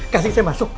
kasih saya masuk